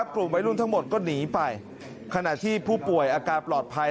กลุ่มวัยรุ่นทั้งหมดก็หนีไปขณะที่ผู้ป่วยอาการปลอดภัย